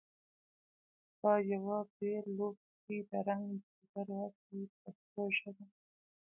په یوه بېل لوښي کې د رنګ پوډر واچوئ په پښتو ژبه.